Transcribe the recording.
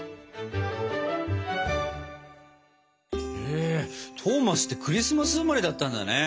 へえトーマスってクリスマス生まれだったんだね。ね。